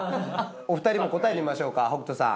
お二人も答えてみましょうか北人さん。